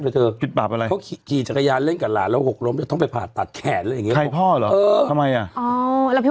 เดี๋ยวจะเก็บค่าเศร้าแล้วถ้าทำโทรไม่ดี